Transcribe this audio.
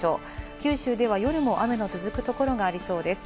九州では夜も雨の続くところがありそうです。